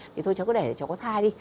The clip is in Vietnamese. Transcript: thì thôi cháu cứ để để cháu có thai đi